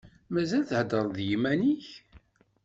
Mazal theddreḍ d yiman-ik?